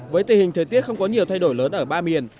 với tình hình thời tiết không có nhiều thay đổi lớn ở ba miền